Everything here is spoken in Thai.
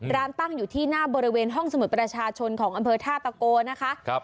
ร้านตั้งอยู่ที่หน้าบริเวณห้องสมุดประชาชนของอำเภอท่าตะโกนะคะ